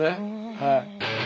はい。